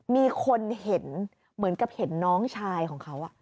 มีคนเห็นเหมือนกับเห็นน้องชายของเขา